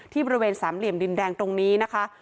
บริเวณสามเหลี่ยมดินแดงตรงนี้นะคะ